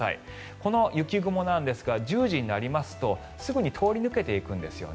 この雪雲なんですが１０時になりますとすぐに通り抜けていくんですよね